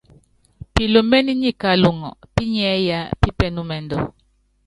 Pilúméné nyi kaluŋɔ pinyiɛ́ yá pípɛnúmɛndú.